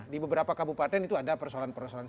di beberapa kabupaten itu ada persoalan persoalan